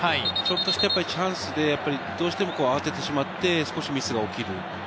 ちょっとしたチャンスでどうしても慌ててしまって、少しミスが起きる。